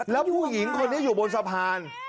แล้วผู้หญิงคนนี้อยู่บนสะพาน